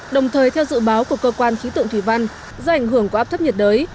đồng thời theo dự báo của cơ quan khí tượng thủy văn do ảnh hưởng của áp thấp nhiệt đới